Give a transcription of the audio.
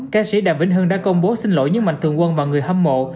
ca sĩ đàm vĩnh hưng đã công bố xin lỗi những mạnh thường quân và người hâm mộ